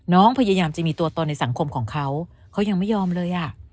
น้องพยายามจะมีตัวตนในสังคมของเขาเขายังไม่ยอมเลยอ่ะ